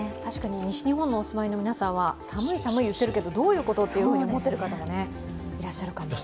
西日本にお住まいの方々は寒い寒い言っているけど、どういうことと思っている方がいらっしゃるかもしれません。